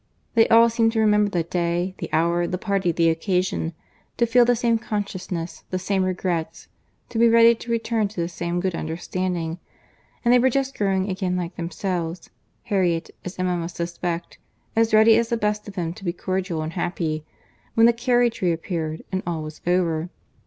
They all seemed to remember the day, the hour, the party, the occasion—to feel the same consciousness, the same regrets—to be ready to return to the same good understanding; and they were just growing again like themselves, (Harriet, as Emma must suspect, as ready as the best of them to be cordial and happy,) when the carriage reappeared, and all was over.